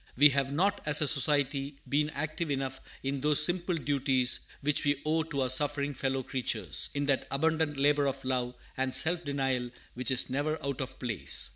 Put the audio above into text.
We have not, as a society, been active enough in those simple duties which we owe to our suffering fellow creatures, in that abundant labor of love and self denial which is never out of place.